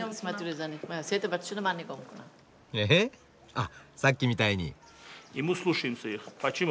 あさっきみたいに。